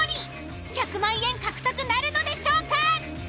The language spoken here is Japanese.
１００万円獲得なるのでしょうか！？